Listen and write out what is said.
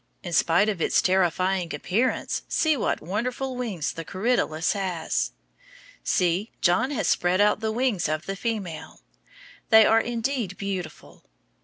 In spite of its terrifying appearance, see what wonderful wings the corydalus has. See! John has spread out the wings of the female. They are indeed beautiful.